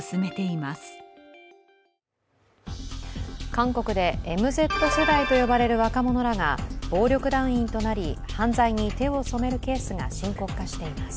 韓国でＭＺ世代と呼ばれる若者らが暴力団員となり犯罪に手を染めるケースが深刻化しています。